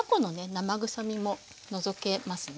生臭みも除けますね。